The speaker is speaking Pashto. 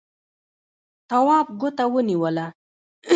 تواب ګوته ونيوله.